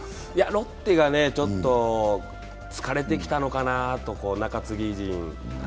ロッテがちょっと疲れてきたのかなと、中継ぎ陣。